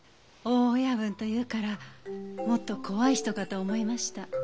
大親分というからもっと怖い人かと思いました。